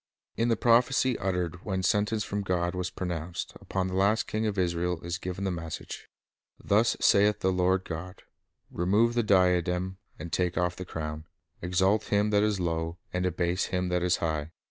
In the prophecy uttered when sentence from God was pronounced upon the last king of Israel is given the message: — "Thus saith the Lord God: Remove the diadem, and take off the crown ;. exalt him that is low, and abase him that is high.